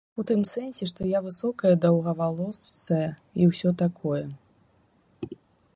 У тым сэнсе, што я высокая, доўгавалосая і ўсё такое.